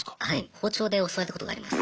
包丁で襲われたことがあります。